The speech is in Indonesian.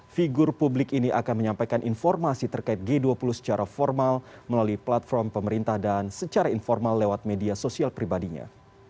figur publik ini akan menyampaikan informasi terkait g dua puluh secara formal melalui platform pemerintah dan secara informal lewat media sosial pribadinya